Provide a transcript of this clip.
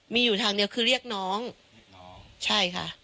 มีอยู่ทางเดียวคือเรียกน้องน้องใช่ค่ะ